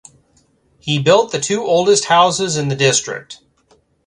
He built the two oldest houses in the district.